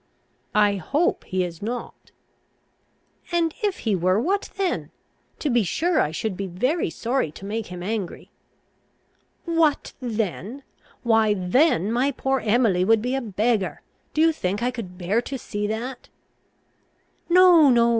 "I hope he is not." "And if he were, what then? To be sure I should he very sorry to make him angry." "What then! Why then my poor Emily would be a beggar. Do you think I could bear to see that?" "No, no.